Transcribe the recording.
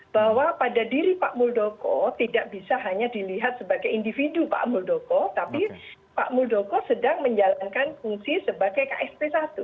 bahwa pada diri pak muldoko tidak bisa hanya dilihat sebagai individu pak muldoko tapi pak muldoko sedang menjalankan fungsi sebagai ksp satu